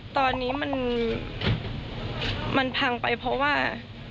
ตอนนี้มันพังไปเพราะว่า